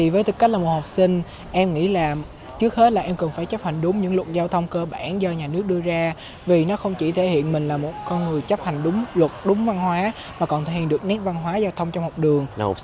với tư cách là một học sinh em nghĩ là trước hết là em cần phải chấp hành đúng những luật giao thông cơ bản do nhà nước đưa ra vì nó không chỉ thể hiện mình là một con người chấp hành đúng luật đúng văn hóa mà còn thể hiện được nét văn hóa giao thông trong học đường